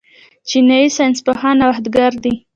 چینايي ساینس پوهان نوښتګر دي.